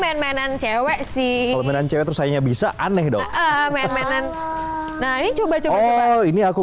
main mainan cewek sih menang cewek sayangnya bisa aneh dong main mainan nah ini coba coba ini aku